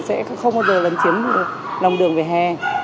sẽ không bao giờ lấn chiếm lòng đường vỉa hè